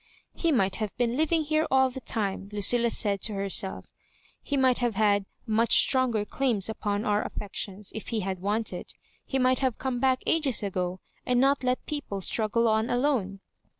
" He might have been living here all the time," Lucilla said to herself; ''he might had had much stronger claims upon our affections; Digitized by VjOOQ IC MISS MARJORIBANKS. 133 if he had wanted, he might have come back ages ago, and not let people struggle on alone."